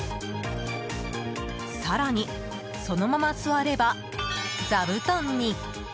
更に、そのまま座れば座布団に。